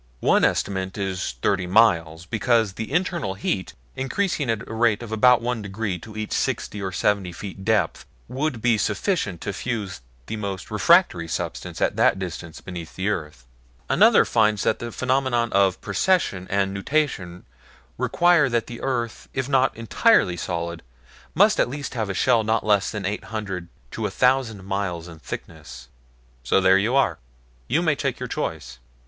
"One estimates it thirty miles, because the internal heat, increasing at the rate of about one degree to each sixty to seventy feet depth, would be sufficient to fuse the most refractory substances at that distance beneath the surface. Another finds that the phenomena of precession and nutation require that the earth, if not entirely solid, must at least have a shell not less than eight hundred to a thousand miles in thickness. So there you are. You may take your choice."